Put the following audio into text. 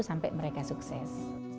sampai mereka sukses